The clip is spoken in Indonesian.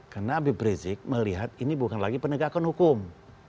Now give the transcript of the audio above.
karena abib rezik melihat ini bukan lagi penegakan hukum